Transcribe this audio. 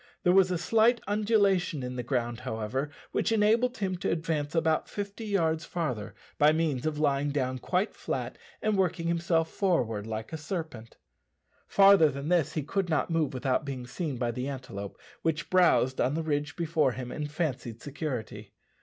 There was a slight undulation in the ground, however, which enabled him to advance about fifty yards farther, by means of lying down quite flat and working himself forward like a serpent. Farther than this he could not move without being seen by the antelope, which browsed on the ridge before him in fancied security.